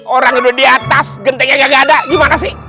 orang tua diatas gantengnya kaga ada gimana sih